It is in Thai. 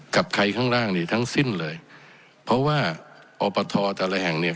กับใครข้างล่างนี่ทั้งสิ้นเลยเพราะว่าอปทแต่ละแห่งเนี่ย